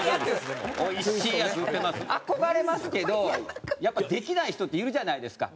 憧れますけどやっぱできない人っているじゃないですか。